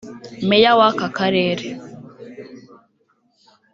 Meya w’aka karere